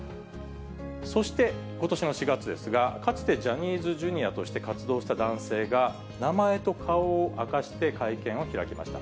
そしてことしの４月ですが、かつてジャニーズＪｒ．として活動した男性が、名前と顔を明かして会見を開きました。